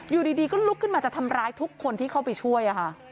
อยู่ดีก็ลุกขึ้นมาจะทำร้ายทุกคนที่เข้าไปช่วย